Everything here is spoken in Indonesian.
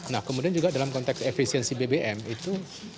nah kemudian juga dalam konteks efisiensi bbm itu